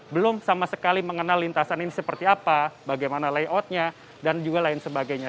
belum sama sekali mengenal lintasan ini seperti apa bagaimana layoutnya dan juga lain sebagainya